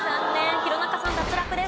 弘中さん脱落です。